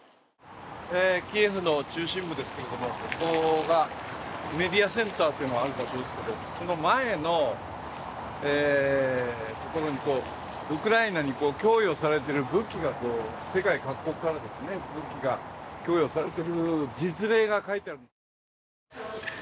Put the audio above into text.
キエフの中心部ですけれども、ここがメディアセンターというのがある場所ですけれども、その前にウクライナに供与されている世界各国から武器が供与されている実例が書いてあるんです。